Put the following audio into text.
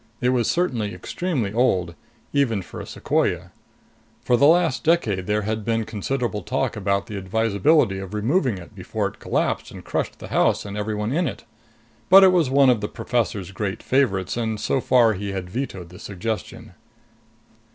It was certainly extremely old, even for a sequoia. For the last decade there had been considerable talk about the advisability of removing it before it collapsed and crushed the house and everyone in it. But it was one of the professor's great favorites, and so far he had vetoed the suggestion.